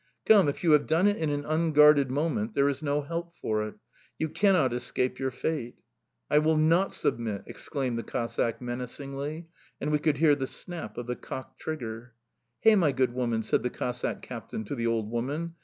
Come, if you have done it in an unguarded moment there is no help for it! You cannot escape your fate!" "I will not submit!" exclaimed the Cossack menacingly, and we could hear the snap of the cocked trigger. "Hey, my good woman!" said the Cossack captain to the old woman.